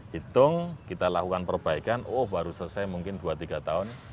hitung kita lakukan perbaikan oh baru selesai mungkin dua tiga tahun